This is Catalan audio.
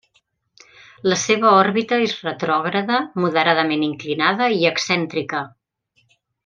La seva òrbita és retrògrada, moderadament inclinada i excèntrica.